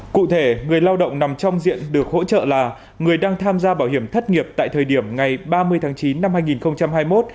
cụ thể người lao động nằm trong diện được hỗ trợ là người đang tham gia bảo hiểm thất nghiệp tại thời điểm ngày ba mươi tháng chín năm hai nghìn hai mươi một